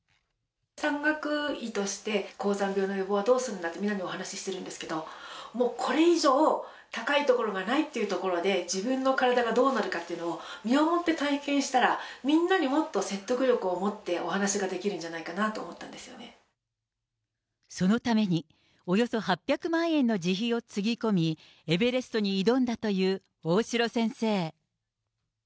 山岳医として高山病の予防はどうするんだと、みんなにお話ししてるんですけど、もうこれ以上高い所がないっていうところで、自分の体がどうなるかっていうのを、身をもって体験したら、みんなにもっと説得力を持ってお話ができるんじゃないかなと思っそのために、およそ８００万円の自費をつぎ込み、エベレストに挑んだという大城先生。